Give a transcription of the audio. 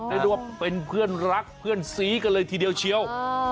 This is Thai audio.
เรียกได้ว่าเป็นเพื่อนรักเพื่อนซีกันเลยทีเดียวเชียว